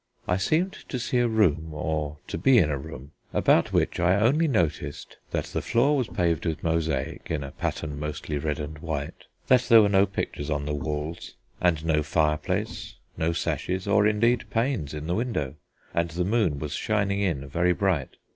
I seemed to see a room, or to be in a room about which I only noticed that the floor was paved with mosaic in a pattern mostly red and white, that there were no pictures on the walls and no fireplace, no sashes or indeed panes in the window, and the moon was shining in very bright.